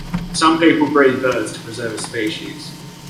Some people breed birds to preserve a species.